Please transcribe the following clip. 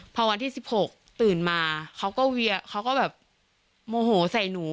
พอวันที่๑๖ตื่นมาเขาก็แบบโมโหใส่หนู